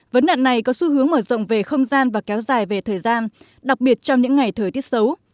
vấn nạn này có xu hướng mở rộng về không gian và kéo dài về thời gian đặc biệt trong những ngày thời tiết xấu